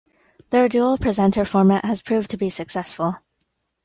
Their dual presenter format has proved to be successful.